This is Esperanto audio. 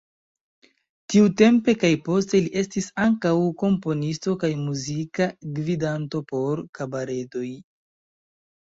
Tiutempe kaj poste li estis ankaŭ komponisto kaj muzika gvidanto por kabaredoj.